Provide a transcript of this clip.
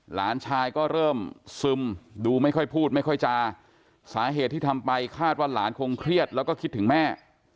หลานชายก็เริ่มซึมดูไม่ค่อยพูดไม่ค่อยจาสาเหตุที่ทำไปคาดว่าหลานคงเครียดแล้วก็คิดถึงแม่